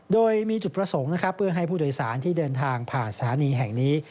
โดยมีจุดประสงค์นะครับเพื่อให้ผู้โดยสารที่เดินทางผ่านสถานีแห่งนี้